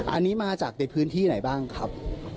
อันนี้มาจากในพื้นที่ไหนบ้างครับ